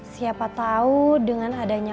siapa tahu dengan adanya